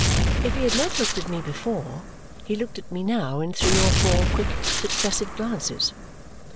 If he had not looked at me before, he looked at me now in three or four quick successive glances.